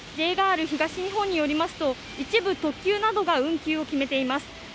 ＪＲ東日本によりますと一部特急などが運休を決めています。